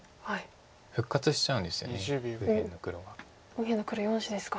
右辺の黒４子ですか。